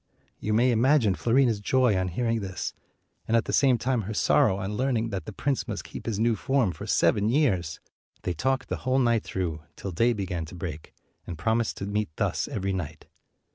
You may imagine Fiorina's joy on hearing this, and at the same time her sorrow on learn ing that the prince must keep his new form for seven years. They talked the whole night through, till day began to break, and promised to meet thus every night.